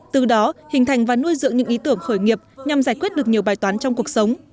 từ đó hình thành và nuôi dưỡng những ý tưởng khởi nghiệp nhằm giải quyết được nhiều bài toán trong cuộc sống